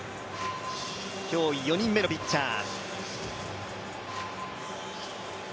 今日、４人目のピッチャー。